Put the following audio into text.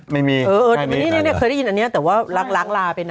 ไม่มีแน่นี่คือได้ยินอันนี้แต่ว่าล้างลาไปน่ะ